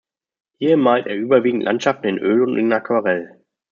Hier malt er überwiegend Landschaften in Öl und in Aquarell.